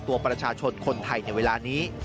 ตัวประชาชนคนไทยในเวลานี้